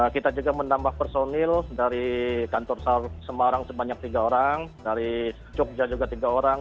kita juga menambah personil dari kantor semarang sebanyak tiga orang dari jogja juga tiga orang